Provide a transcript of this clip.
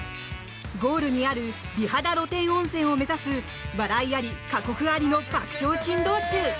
ゴールにある美肌露天温泉を目指す笑いあり、過酷ありの爆笑珍道中。